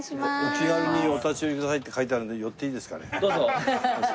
「お気軽にお立ち寄りください」って書いてあるんで寄っていいですかね？